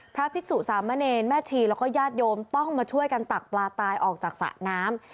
พระภิกษุสามเณรแม่ชีแล้วก็ญาติโยมต้องมาช่วยกันตักปลาตายออกจากสระน้ำ